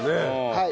はい。